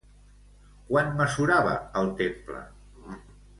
Quant mesurava el temple?